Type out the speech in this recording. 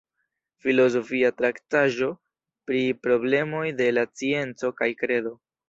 Filozofia traktaĵo pri problemoj de la scienco kaj kredo.